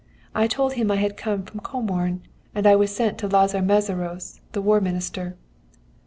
I told him I had come from Comorn, and I was sent to Lazar Mészáros, the War Minister.